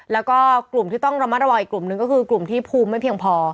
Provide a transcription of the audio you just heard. แล้วก็กลุ่มที่ต้องระมัดระวังอีกกลุ่มหนึ่งก็คือกลุ่มที่ภูมิไม่เพียงพอ